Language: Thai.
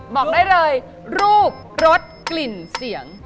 บอกได้เลยรูปรสกลิ่นเสียง